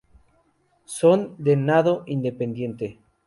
Son de nado independiente.